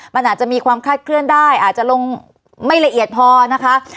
มันอาจจะมีความคาดเคลื่อนได้อาจจะลงไม่ละเอียดพอนะคะ